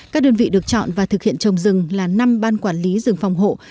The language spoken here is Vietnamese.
các đơn vị được chọn và thực hiện trồng rừng là năm ban quản lý rừng phòng hộ